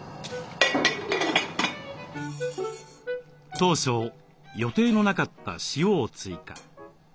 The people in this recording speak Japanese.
当初予定のなかった塩を追加。